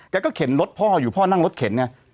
ก็เข็นรถพ่ออยู่พ่อนั่งรถเข็นไง